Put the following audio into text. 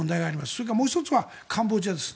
それからもう１点はカンボジアです。